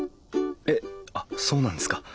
えっあっそうなんですか？